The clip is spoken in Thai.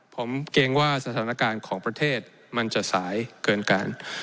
ผมเกรงว่าสถานการณ์ของประเทศมันจะสายเกินการ